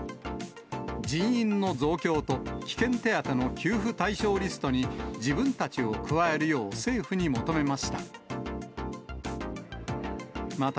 人員の増強と危険手当の給付対象リストに自分たちを加えるよう、政府に求めました。